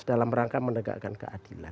dalam rangka menegakkan keadilan